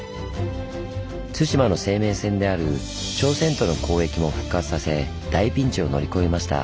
対馬の生命線である朝鮮との交易も復活させ大ピンチを乗り越えました。